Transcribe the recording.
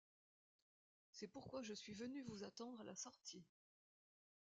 C’est pourquoi je suis venu vous attendre à la sortie.